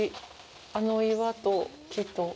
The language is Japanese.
あの岩と、木と。